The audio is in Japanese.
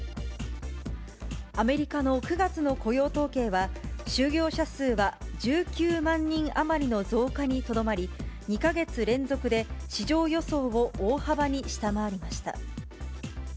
アメリカの９月の雇用統計は、就業者数は１９万人余りの増加にとどまり、２か月連続で市場予想を大幅に下回りました。